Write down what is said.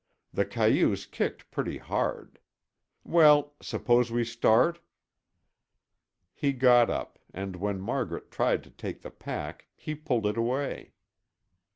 The cayuse kicked pretty hard. Well, suppose we start?" He got up and when Margaret tried to take the pack he pulled it away.